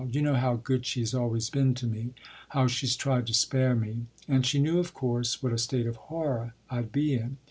You know how good she’s always been to me; how she’s tried to spare me. And she knew, of course, what a state of horror I’d be in.